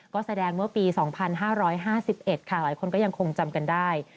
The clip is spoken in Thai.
ก็แสดงเมื่อปี๒๕๕๑ค่ะหลายคนก็ยังคงจำกันได้